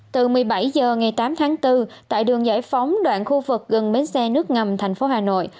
từ một mươi bảy h ngày tám tháng bốn tại đường giải phóng đoạn khu vực gần bến xe nước ngầm thành phố hà nội